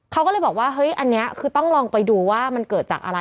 เขาก็เลยบอกว่าเฮ้ยอันนี้คือต้องลองไปดูว่ามันเกิดจากอะไร